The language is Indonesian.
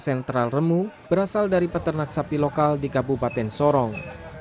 sentral remu berasal dari peternak sapi lokal di kabupaten sorong